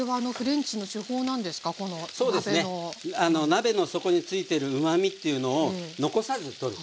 鍋の底に付いてるうまみっていうのを残さず取る。